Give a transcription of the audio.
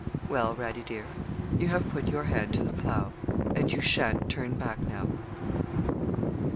'Well, Radie, dear you have put your hand to the plough, and you sha'n't turn back now.'